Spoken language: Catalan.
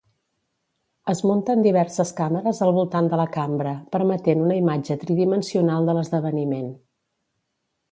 Es munten diverses càmeres al voltant de la cambra, permetent una imatge tridimensional de l'esdeveniment.